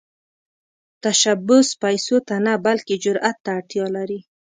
تشبث پيسو ته نه، بلکې جرئت ته اړتیا لري.